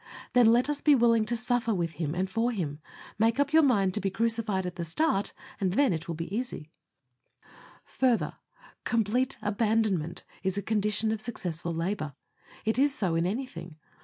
Then let us be willing to suffer with Him and for Him. Make up your mind to be crucified at the start, and then it will be easy. Further, complete abandonment is a condition of successful labor. It is so in anything.